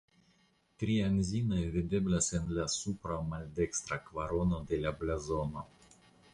Tri anzinoj videblas en la supra maldekstra kvarono de la blazono.